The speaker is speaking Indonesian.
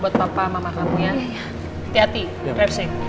tidak ada aja ya